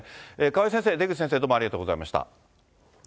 川井先生、出口先生、どうもありがとうございました。